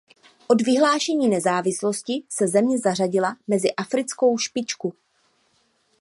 Od vyhlášení nezávislosti se země zařadila mezi africkou špičku.